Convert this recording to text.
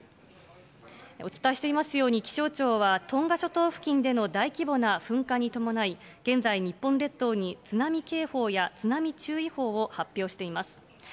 お伝えしていますように、気象庁はトンガ諸島付近での大規模な噴火に伴い、現在、日本列島に津波警報や津波注意報を発表しています。